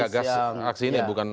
walaupun mengagas aksi ini bukan